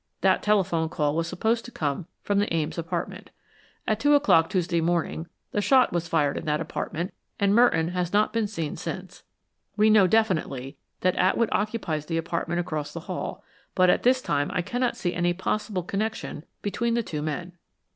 That telephone call was supposed to come from the Ames apartment. At two o'clock Tuesday morning the shot was fired in that apartment and Merton has not been seen since. We know definitely that Atwood occupies the apartment across the hall, but at this time I cannot see any possible connection between the two men.